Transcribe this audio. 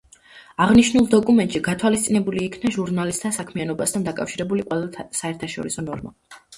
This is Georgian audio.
აღნიშნულ დოკუმენტში გათვალისწინებულ იქნა ჟურნალისტთა საქმიანობასთან დაკავშირებული ყველა საერთაშორისო ნორმა.